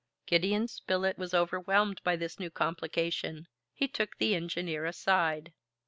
Gideon Spilett was overwhelmed by this new complication. He took the engineer aside.